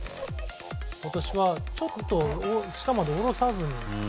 今年は、ちょっと下まで下ろさずに。